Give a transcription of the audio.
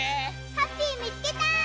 ハッピーみつけた！